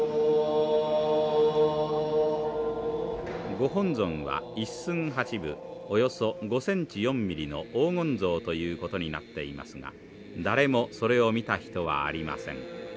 ご本尊は一寸八分およそ５ｃｍ４ｍｍの黄金像ということになっていますが誰もそれを見た人はありません。